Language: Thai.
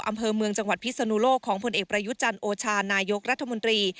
อำเภอเมืองจังหวัดพิศนุโลกของผลเอกประยุจันทร์โอชานายกรัฐมนตรี